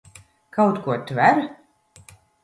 Kaut ko tver?